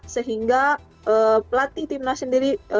sehingga pelatih tim nas sendiri